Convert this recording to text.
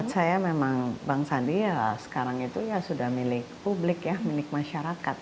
saya memang bangsa dia sekarang itu ya sudah milik publik ya milik masyarakat